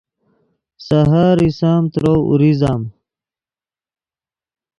سحر ایسَمۡ ترؤ اوریزم